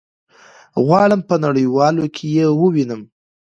غواړم په نړيوالو کي يي ووينم